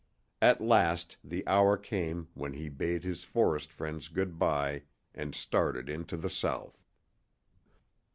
At last the day came when he bade his forest friends good by and started into the south.